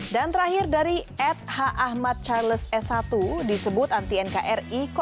dan terakhir dari ad h ahmad charles s satu disebut anti nkri kok muridnya ribu tahun